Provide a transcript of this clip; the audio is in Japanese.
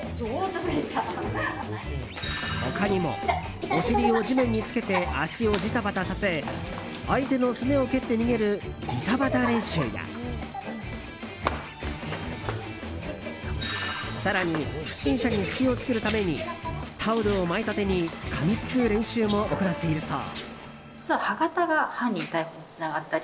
他にも、お尻を地面につけて足をジタバタさせ相手のすねを蹴って逃げるジタバタ練習や更に、不審者に隙を作るためにタオルを巻いた手にかみつく練習も行っているそう。